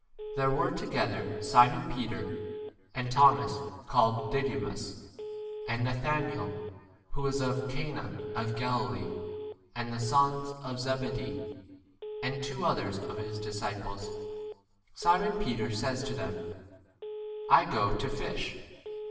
2 There were together Simon Peter, and Thomas called Didymus, and Nathanael who was of Cana of Galilee, and the [sons] of Zebedee, and two others of his disciples. 3 Simon Peter says to them, I go to fish.